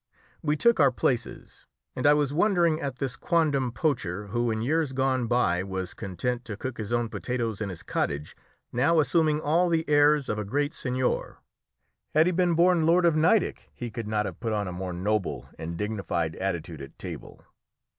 We took our places, and I was wondering at this quondam poacher, who in years gone by was content to cook his own potatoes in his cottage, now assuming all the airs of a great seigneur. Had he been born Lord of Nideck he could not have put on a more noble and dignified attitude at table.